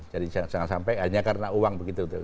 jadi jangan sampai hanya karena uang begitu